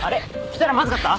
来たらまずかった？